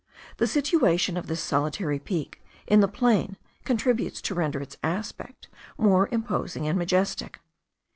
The situation of this solitary peak in the plain contributes to render its aspect more imposing and majestic.